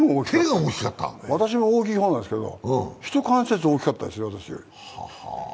私も大きい方なんですけどひと関節大きかったです。